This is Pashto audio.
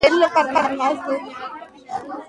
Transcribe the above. چی نلرې سړي ، مه کورت خوره مه غوړي .